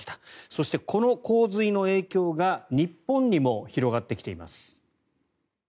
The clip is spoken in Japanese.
そしてこの洪水の影響が日本にも広がってきています。